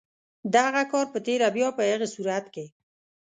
دغه کار په تېره بیا په هغه صورت کې.